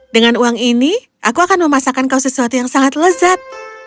dengan uang ini aku akan memasakkan kau sesuatu yang sangat lezat